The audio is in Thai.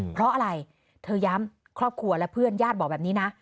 เพราะอะไรเธอย้ำครอบครัวและเพื่อนญาติบอกแบบนี้นะ